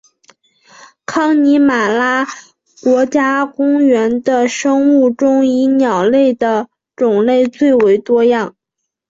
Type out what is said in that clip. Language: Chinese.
康尼玛拉国家公园的生物中以鸟类的种类最为多样。